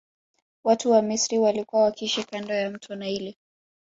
Watu wa misri walikua wakiishi kando ya mto naili